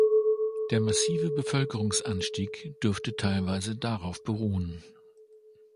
Der massive Bevölkerungsanstieg dürfte teilweise darauf beruhen.